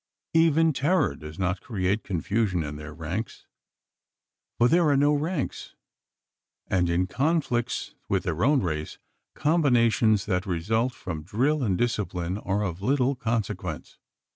Even terror does not always create confusion in their ranks for there are no ranks and in conflicts with their own race, combinations that result from drill and discipline are of little consequence.